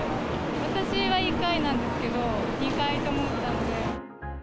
私は１回なんですけど、２回とも打ったので。